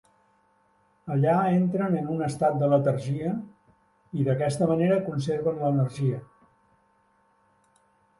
Allà entren en un estat de letargia, i d'aquesta manera conserven l'energia.